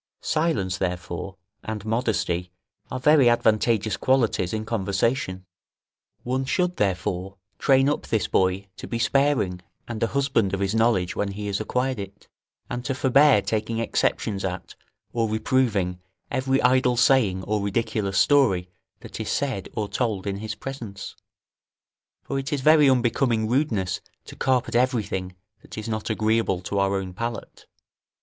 Silence, therefore, and modesty are very advantageous qualities in conversation. One should, therefore, train up this boy to be sparing and an husband of his knowledge when he has acquired it; and to forbear taking exceptions at or reproving every idle saying or ridiculous story that is said or told in his presence; for it is a very unbecoming rudeness to carp at everything that is not agreeable to our own palate.